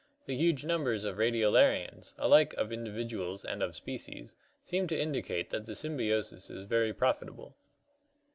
The huge numbers of Radiolarians — alike of individuals and of species — seem to indicate that the sym biosis is very profitable."